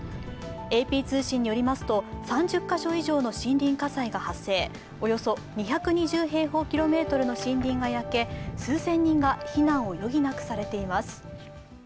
ＡＰ通信によりますと、３０カ所以上の森林火災が発生、およそ２２０平方キロメートルの森林が焼け数千人が避難を余儀なくされています。